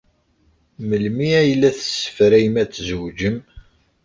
Melmi ay la tessefrayem ad tzewǧem?